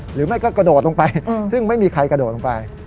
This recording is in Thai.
หรือไม่ก็กระโดดลงไปซึ่งไม่มีใครกระโดดลงไป